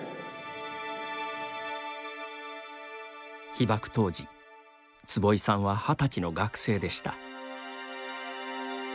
被爆当時坪井さんは二十歳の学生でした。